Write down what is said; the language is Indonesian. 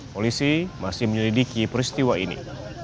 polisi masih menyelidiki peristiwa ini